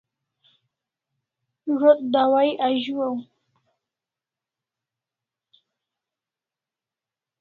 Zo't dawai azuaw